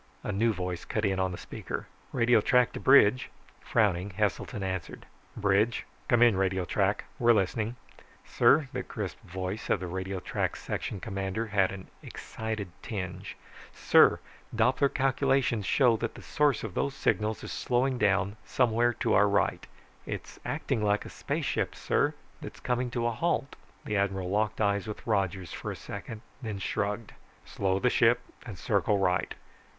A new voice cut in on the speaker. "Radio track to bridge." Frowning, Heselton answered. "Bridge. Come in radio track. We're listening." "Sir," the crisp voice of the radio track section's commander had an excited tinge. "Sir, Doppler calculations show that the source of those signals is slowing down somewhere to our right. It's acting like a spaceship, sir, that's coming to a halt." The admiral locked eyes with Rogers for a second, then shrugged. "Slow the ship, and circle right.